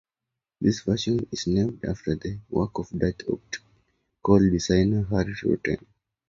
This version is named after the work of Dutch optical designer Harrie Rutten.